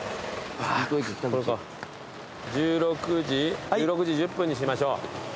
１６時１０分にしましょう。